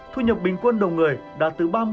thu nhập bình quân đầu người đạt từ ba mươi